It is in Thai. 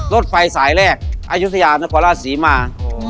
รถไฟสายแรกอายุทยานครราชศรีมา